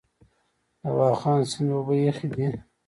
د واخان سیند اوبه یخې دي؟